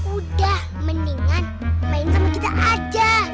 udah mendingan main sama kita aja